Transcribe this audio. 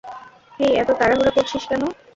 হেই, এত তাড়াহুড়ো করছিস কেন?